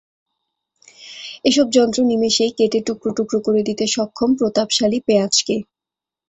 এসব যন্ত্র নিমেষেই কেটে টুকরো টুকরো করে দিতে সক্ষম প্রতাপশালী পেঁয়াজকে।